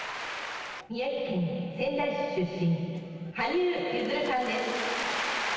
「宮城県仙台市出身羽生結弦さんです」。